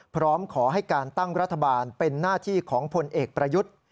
พร้อมขอให้การตั้งรัฐบาลเป็นหน้าที่ของพลเอกประยุทธ์